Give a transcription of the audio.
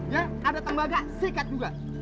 ya ada tembaga sikat juga